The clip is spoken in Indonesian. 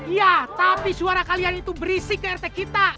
iya tapi suara kalian itu berisi ke rt kita